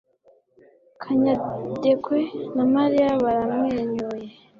Kanyadekwe na Mariya baramwenyuye.